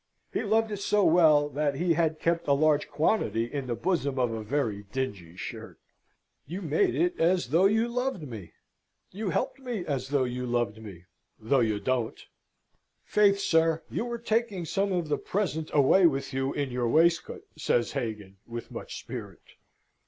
(He loved it so well that he had kept a large quantity in the bosom of a very dingy shirt.) "You made it as though you loved me. You helped me as though you loved me, though you don't." "Faith, sir, you are taking some of the present away with you in your waistcoat," says Hagan, with much spirit.